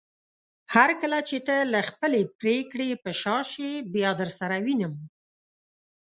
هرکله چې ته له خپلې پریکړې په شا شې بيا درسره وينم